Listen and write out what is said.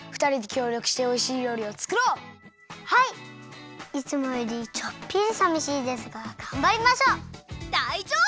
いつもよりちょっぴりさみしいですががんばりましょう！